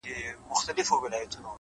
هره ورځ د نوي فصل لومړۍ پاڼه ده